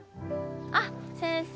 あっ先生